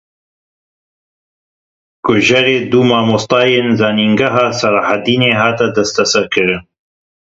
Kujerê du mamosteyên zanîngeha Selahedînê hat desteserkirin.